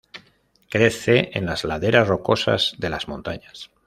Crece en las laderas rocosas de las montañas.